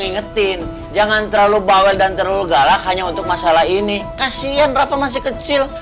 ingetin jangan terlalu bawel dan terlalu galak hanya untuk masalah ini kasian rafa masih kecil